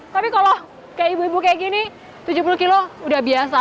tapi kalau kayak ibu ibu kayak gini tujuh puluh kilo udah biasa